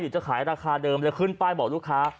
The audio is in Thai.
หรือจะขายราคาเดิมแล้วขึ้นไปบอกลูกค้า